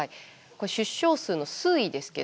これ、出生数の推移ですけど。